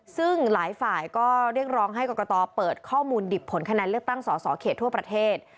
ซึ่งหลายฝ่ายก็เรียกร้องให้กรกตเปิดข้อมูลดิบผลคะแนนเลือกตั้งสอสอเขตทั่วประเทศ